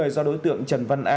đã thống nhất